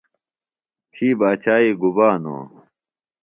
تھی باچائی گُبا نو؟